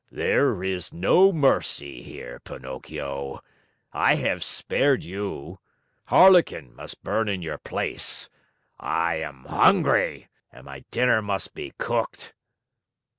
"There is no mercy here, Pinocchio. I have spared you. Harlequin must burn in your place. I am hungry and my dinner must be cooked."